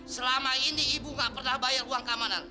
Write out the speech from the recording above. selama ini ibu nggak pernah bayar uang keamanan